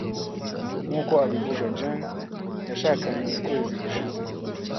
Nk’uko abivuga, Jane yashakanye mu kwezi gushize.